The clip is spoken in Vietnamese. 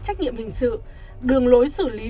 trách nhiệm hình sự đường lối xử lý